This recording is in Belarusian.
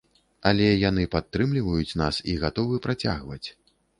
Але яны падтрымліваюць нас і гатовы працягваць.